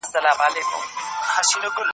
ټول افغانان خپلواک پاتې شول